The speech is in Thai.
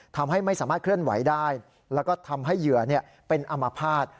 ทำให้ไม่สามารถเคลื่อนไหวได้แล้วก็ทำให้เหยื่อเป็นอมภาษณ์